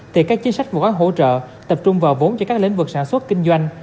thì các chính sách và gói hỗ trợ tập trung vào vốn cho các lĩnh vực sản xuất kinh doanh